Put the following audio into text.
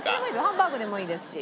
ハンバーグでもいいですし。